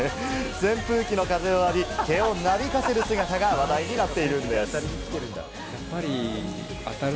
扇風機の風を浴び、毛をなびかせる姿が話題になっているんです。